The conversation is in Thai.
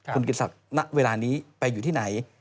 คุณเกรียรษักในเวลานี้ไปอยู่ที่ไหน